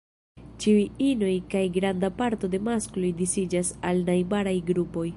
Ĉiuj inoj kaj granda parto de maskloj disiĝas al najbaraj grupoj.